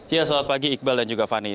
ya selamat pagi iqbal dan juga fani